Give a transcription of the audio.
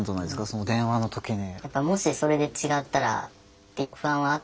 その電話の時に。